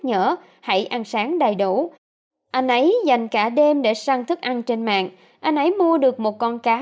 nhỡ hãy ăn sáng đầy đủ anh ấy dành cả đêm để sang thức ăn trên mạng anh ấy mua được một con cá